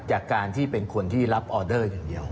จากการที่เป็นคนที่รับออเดอร์อย่างเดียว